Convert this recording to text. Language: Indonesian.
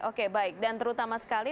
oke baik dan terutama sekali